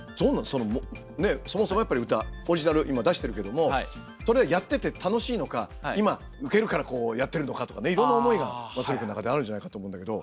そのそもそもやっぱり歌オリジナル今出してるけどもそれはやってて楽しいのか今ウケるからやってるのかとかねいろんな思いが松浦君の中であるんじゃないかと思うんだけど。